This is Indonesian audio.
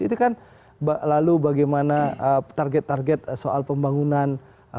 itu kan lalu bagaimana target target soal pembangunan